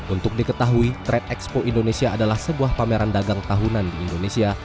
untuk diketahui trade expo indonesia adalah sebuah pameran dagang tahunan di indonesia